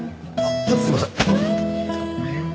ちょっとすみません。